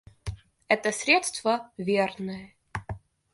Это средство верное.